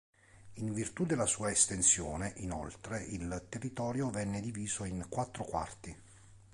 In virtù della sua estensione, inoltre, il territorio venne diviso in quattro Quarti.